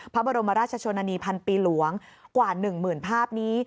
พระบรมราชชนนานีพันปีหลวงกว่า๑หมื่นภาพนี้